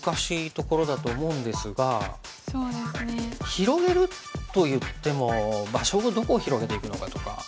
広げるといっても場所をどこを広げていくのかとか。